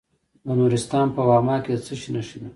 د نورستان په واما کې د څه شي نښې دي؟